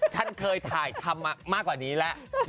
ฉันเคยถ่ายทำมากกว่านี้แล้ว